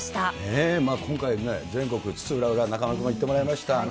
今回、全国津々浦々、中丸君にも行ってもらいました。